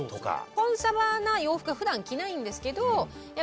コンサバな洋服は普段着ないんですけど。